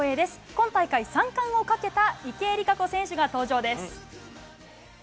今大会、３冠をかけた池江璃花子選手が登場です。